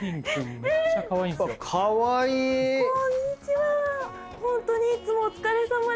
こんにちは。